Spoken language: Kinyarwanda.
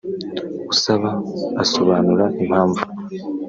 usaba asobanura impamvu